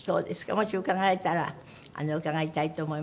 もし伺えたら伺いたいと思います。